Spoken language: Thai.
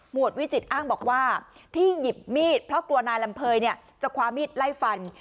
วดวิจิตรอ้างบอกว่าที่หยิบมีดเพราะกลัวนายลำเภยเนี่ยจะคว้ามีดไล่ฟัน